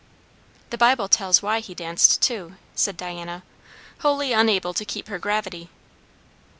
"The Bible tells why he danced, too," said Diana, wholly unable to keep her gravity.